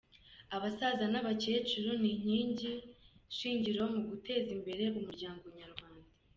Abasaza n’abakecuru ni inkingi shingiromu guteza imbere umuryango nyarwanda.